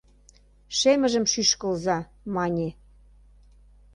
— Шемыжым шӱшкылза! — мане.